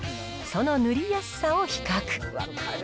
その塗りやすさを比較。